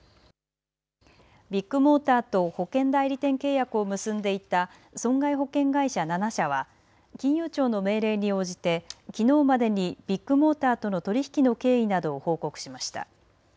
ビッグモーターと保険代理店契約を結んでいた損害保険会社７社は金融庁の命令に応じてきのうまでにビッグモーターとの取り引きの経緯などを報告しました。